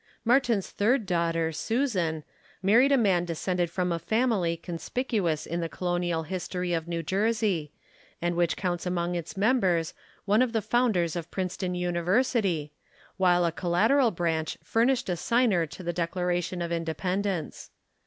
Martin's third daughter, Susan, married a man de scended from a family conspicuous in the colonial his tory of New Jersey and which counts among its mem bers one of the founders of Princeton University, while a collateral branch furnished a signer to the Declara tion of Independence.